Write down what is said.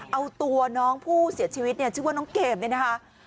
เอาตัวน้องผู้เสียชีวิตเนี่ยชื่อว่าน้องเกมเนี่ยนะคะ